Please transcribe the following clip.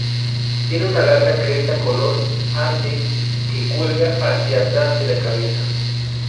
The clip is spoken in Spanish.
Tienen una larga cresta color ante que cuelga hacia atrás de la cabeza.